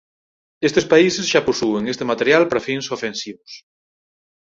Estes países xa posúen este material para fins ofensivos.